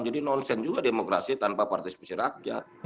jadi nonsen juga demokrasi tanpa partisipasi rakyat